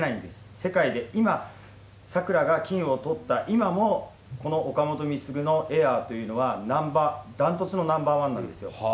世界で今、さくらが金をとった今も、この岡本碧優のエアというのは、断トツのナンバー１なんですよ。